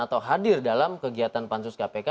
atau hadir dalam kegiatan pansus kpk